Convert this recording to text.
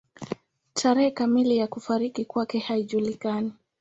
Tarehe kamili ya kufariki kwake haijulikani.